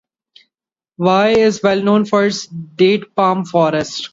Vai is well known for its datepalm forest.